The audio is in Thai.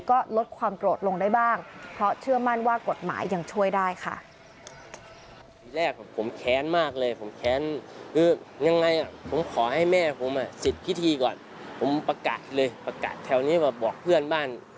ก็ลดความโกรธลงได้บ้างเพราะเชื่อมั่นว่ากฎหมายยังช่วยได้ค่ะ